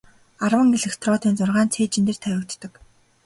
Арван электродын зургаа нь цээжин дээр тавигддаг.